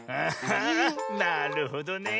あなるほどねえ。